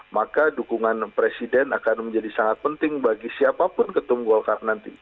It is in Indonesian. maka dukungan presiden akan menjadi sangat penting bagi siapapun ketum golkar nanti